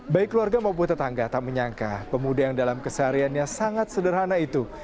baik keluarga maupun tetangga tak menyangka pemuda yang dalam kesehariannya sangat sederhana itu